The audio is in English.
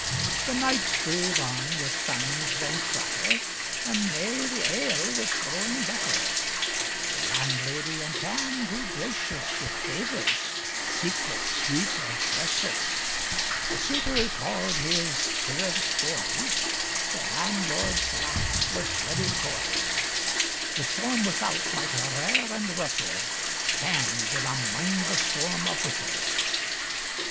The night drave on wi' sangs an' clatter, And aye the ale was growing better; The landlady and Tam grew gracious, Wi' favors, secret, sweet, and precious; The Souter tauld his queerest stories; The landlord's laugh was ready chorus; The storm without might rair and rustle. Tam did na mind, the storm a whistle.